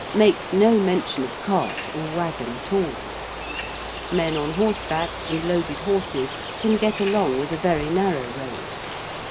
makes no mention of cart or waggon at all. Men on horseback and loaded horses can get along with a very narrow road.